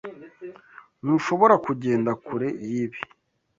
Ntushobora kugenda kure yibi.